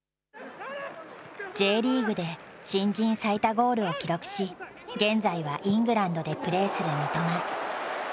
Ｊリーグで新人最多ゴールを記録し、現在はイングランドでプレーする三笘。